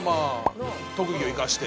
特技を生かして。